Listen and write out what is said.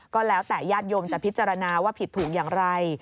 ก็แล้วแต่ญาติโยมจะพิจารณาว่าผิดถูกอย่างไร